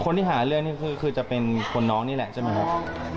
นี่คือจะเป็นคนน้องนี่แหละใช่ไหมครับ